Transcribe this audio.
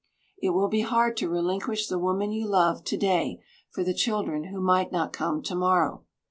It will be hard to relinquish the woman you love, to day, for the children who might not come to morrow.